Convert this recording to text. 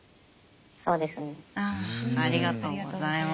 ありがとうございます。